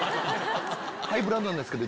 「ハイブランドなんですけど」